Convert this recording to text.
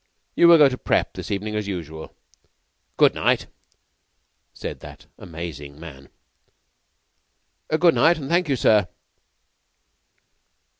You will go to prep. this evening as usual. Good night," said that amazing man. "Good night, and thank you, sir."